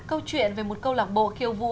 câu chuyện về một câu lạc bộ kiêu vũ